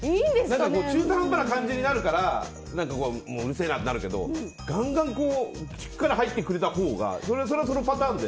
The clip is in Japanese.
中途半端な感じになるからうるせえなってなるけどガンガンしっかり入ってくれたほうがそれはそのパターンで。